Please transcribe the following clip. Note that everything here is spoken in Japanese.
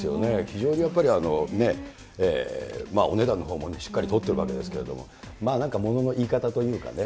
非常にやっぱりね、お値段のほうもしっかり取ってるわけですけれども、なんかものの言い方というかね。